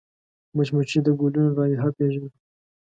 مچمچۍ د ګلونو رایحه پېژني